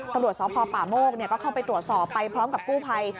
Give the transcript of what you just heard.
ตำรวจสพป่าโมกก็เข้าไปตรวจสอบไปพร้อมกับกู้ภัย